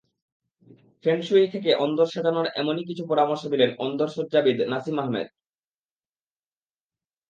ফেংশ্যুই থেকে অন্দর সাজানোর এমনই কিছু পরামর্শ দিলেন অন্দরসজ্জাবিদ নাসিম আহমেদ।